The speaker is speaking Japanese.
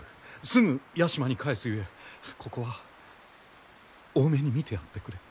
すぐ屋島に帰すゆえここは大目に見てやってくれ。